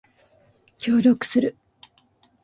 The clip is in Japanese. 協力する